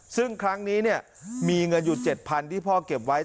ซึ่งครั้งนี้มีเงินอยู่๗๐๐ที่พ่อเก็บไว้